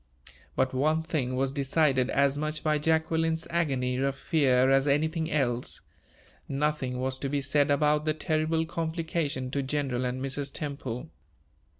But one thing was decided as much by Jacqueline's agony of fear as anything else: nothing was to be said about the terrible complication to General and Mrs. Temple.